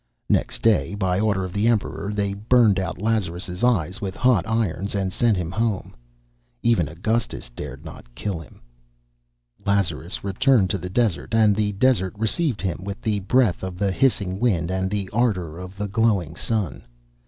Next day, by order of the Emperor, they burned out Lazarus' eyes with hot irons and sent him home. Even Augustus dared not kill him. Lazarus returned to the desert and the desert received him with the breath of the hissing wind and the ardour of the glowing sun.